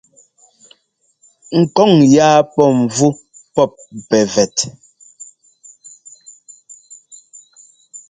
Ŋ kɔŋ yáa pɔ́ mvú pɔ́p pɛvɛt.